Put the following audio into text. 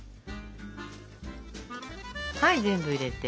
はい全部入れて。